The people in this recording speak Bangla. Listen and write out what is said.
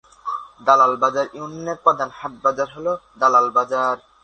দালাল বাজার ইউনিয়নের প্রধান হাট-বাজার হল দালাল বাজার।